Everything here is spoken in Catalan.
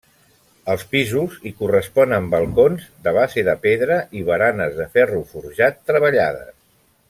Els pisos hi corresponen balcons, de base de pedra i baranes de ferro forjat treballades.